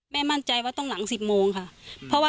มั่นใจว่าต้องหลัง๑๐โมงค่ะ